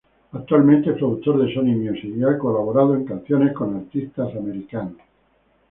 Actualmente es productor de Sony Music y ha colaborado en canciones con artistas americanos.